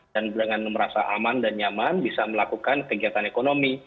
dan dengan merasa aman dan nyaman bisa melakukan kegiatan ekonomi